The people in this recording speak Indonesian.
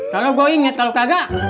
kalau gue inget kalau kagak